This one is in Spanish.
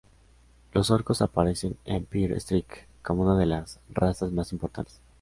Los orcos aparecen en Empire Strike como una de las razas más importantes.